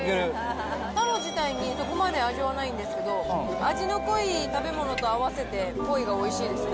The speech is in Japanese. タロ自体にそこまで味はないんですけど、味の濃い食べ物と合わせて、ポイがおいしいですね。